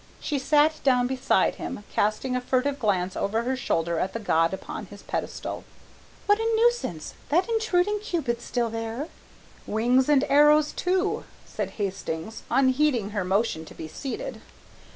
She sat down beside him, casting a furtive glance over her shoulder at the god upon his pedestal. "What a nuisance, that intruding cupid still there?" "Wings and arrows too," said Hastings, unheeding her motion to be seated.